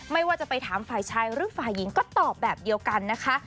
ไม่ว่าจะไปถามฝ่ายชายหรือฝ่ายหญิงก็ตอบแบบเดียวกันนะคะ